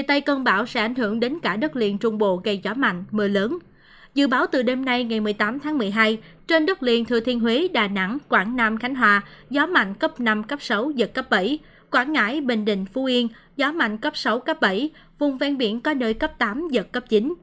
trên đất liền thừa thiên huế đà nẵng quảng nam khánh hòa gió mạnh cấp năm cấp sáu giật cấp bảy quảng ngãi bình định phú yên gió mạnh cấp sáu cấp bảy vùng ven biển có nơi cấp tám giật cấp chín